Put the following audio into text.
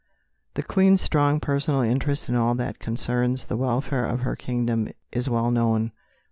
The Queen's strong personal interest in all that concerns the welfare of her kingdom is well known.